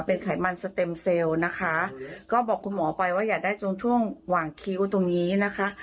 เป็นไขมันสเต็มเซลล์นะคะก็บอกคุณหมอไปว่าอย่าได้ตรงช่วงหว่างคิ้วตรงนี้นะคะ